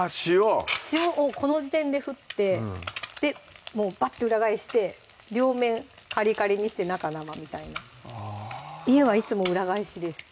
塩をこの時点で振ってもうバッて裏返して両面カリカリにして中生みたいなあぁ家はいつも裏返しです